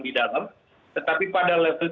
di dalam tetapi pada level